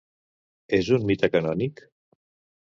És un mite canònic?